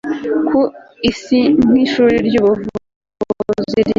ku isi nk'ishuri ry'ubuvuzi rya